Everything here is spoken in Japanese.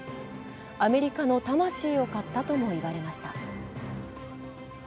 アメリカの魂を買ったとも言われました。